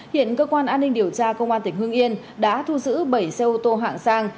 hiện cơ quan an ninh điều tra công an tỉnh hương yên đã thu giữ bảy xe ô tô hạng sang